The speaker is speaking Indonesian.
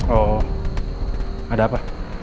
oh ada apa